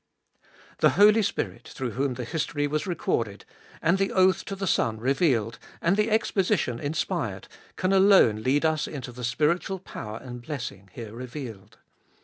2. The Holy Spirit, through whom the history was recorded, and the oath to the Son revealed, and the exposition inspired, can alone lead us into the spiritual power and blessing here revealed.